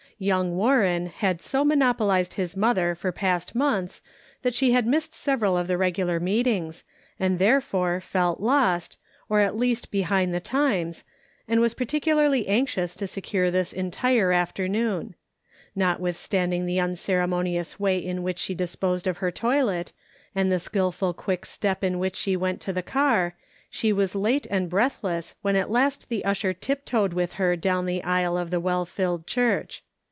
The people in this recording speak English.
Young Warren had so monopolized his mother for past months that she had missed several of the regular meetings, and therefore felt lost, or at least behind the times, and was particularly anxious to secure this entire after noon. Notwithstanding the unceremonious way in which she disposed of her toilet, and 447 448 The Pocket Measure. the skillful quickstep in wliich she went to the car, she was late and breathless when at last the usher tip toed with her down the aisle of the well filled church.